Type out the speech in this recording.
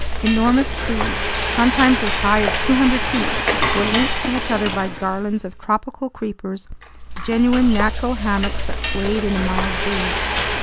Enormous trees, sometimes as high as 200 feet, were linked to each other by garlands of tropical creepers, genuine natural hammocks that swayed in a mild breeze.